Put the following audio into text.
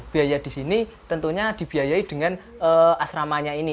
biaya di sini tentunya dibiayai dengan asramanya ini